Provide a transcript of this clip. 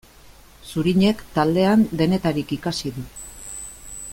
Zurinek taldean denetarik ikasi du.